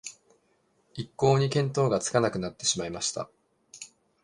一向に見当がつかなくなっていました